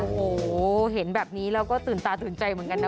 โอ้โหเห็นแบบนี้แล้วก็ตื่นตาตื่นใจเหมือนกันนะ